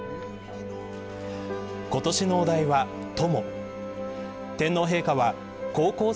今年のお題は友。